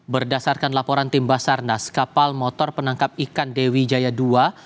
berdasarkan laporan tim basarnas kapal motor penangkap ikan dewi jaya ii